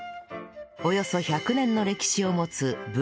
およそ１００年の歴史を持つ文化横丁